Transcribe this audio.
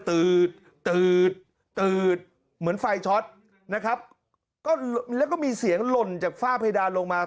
ืดตืดตืดเหมือนไฟช็อตนะครับก็แล้วก็มีเสียงหล่นจากฝ้าเพดานลงมา